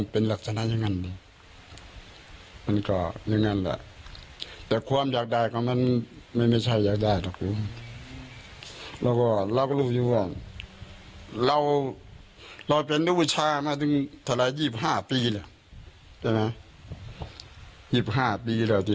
ไป๒๕ปีเรียเราใช่มั้ย๒๕ปีเรียเรียเราทีนี้